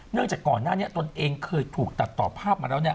จากก่อนหน้านี้ตนเองเคยถูกตัดต่อภาพมาแล้วเนี่ย